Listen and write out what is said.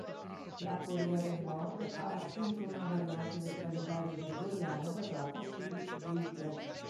La Corea del Nord ha assunto una variante del calendario gregoriano basata sul Juche.